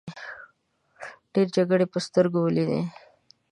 ډیرې جګړې په سترګو ولیدې.